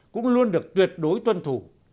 cũng luôn được tuyệt đối tuân thủ